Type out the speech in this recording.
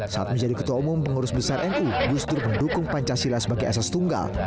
saat menjadi ketua umum pengurus besar nu gus dur mendukung pancasila sebagai asas tunggal